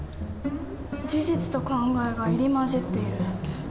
事実と考えが入り交じっている。